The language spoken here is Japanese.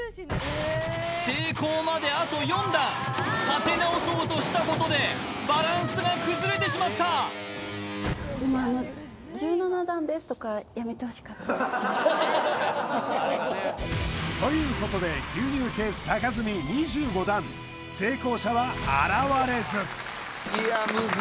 成功まであと４段立て直そうとしたことでバランスが崩れてしまったでもあのということで牛乳ケース高積み２５段いやムズ